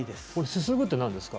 すすぐってなんですか？